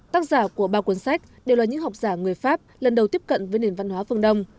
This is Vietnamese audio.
tác giả của ba cuốn sách đều là những học giả người pháp lần đầu tiếp cận với nền văn hóa phương đông